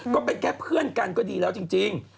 ก็เป็นแค่เพื่อนกันก็ดีแล้วจริง